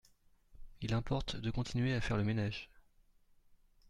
Il importe de continuer à faire le ménage.